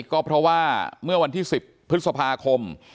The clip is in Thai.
ก็เพราะว่าเมื่อวันที่๑๐พฤษภาคม